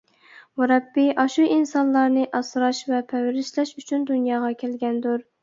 مۇرەببى ئاشۇ ئىنسانلارنى ئاسراش ۋە پەرۋىشلەش ئۈچۈن دۇنياغا كەلگەندۇر.